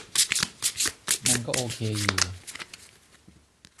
มันก็โอเคอยู่